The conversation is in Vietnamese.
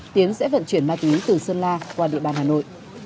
tiến sẽ vận chuyển ma túy từ sơn la qua địa bàn hà nội